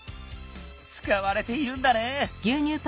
つかわれているんだね。